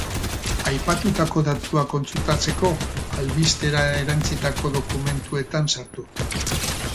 Aipatutako datuak kontsultatzeko, albistera erantsitako dokumentuetan sartu.